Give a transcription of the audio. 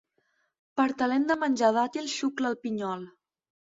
Per talent de menjar dàtils xucla el pinyol.